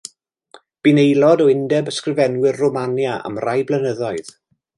Bu'n aelod o Undeb Ysgrifenwyr Rwmania am rai blynyddoedd.